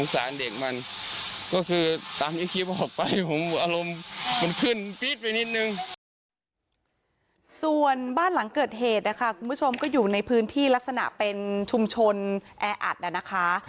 ส่วนบ้านหลังเกิดเหตุนะคะคุณผู้ชมก็อยู่ในพื้นที่ลักษณะเป็นชุมชนแออัดนะคะ